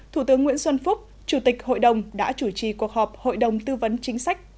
thủ tướng nguyễn xuân phúc chủ tịch hội đồng đã chủ trì cuộc họp hội đồng tư vấn chính sách